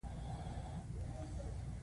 پکورې د فطري خوندونو نښه ده